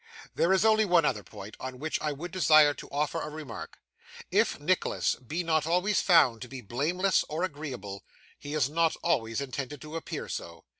There is only one other point, on which I would desire to offer a remark. If Nicholas be not always found to be blameless or agreeable, he is not always intended to appear so.